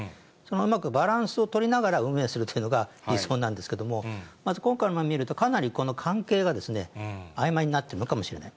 うまくバランスを取りながら運営するというのが理想なんですけれども、まず今回を見ると、かなり関係があいまいになってるのかもしれない。